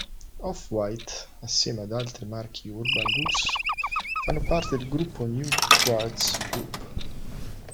Off-White assieme ad altri marchi Urban Luxe fanno parte del gruppo New Guards Group.